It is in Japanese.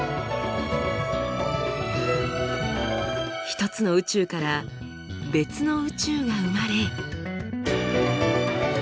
一つの宇宙から別の宇宙が生まれ。